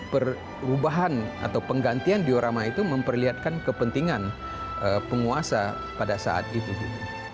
perubahan atau penggantian diorama itu memperlihatkan kepentingan penguasa pada saat itu gitu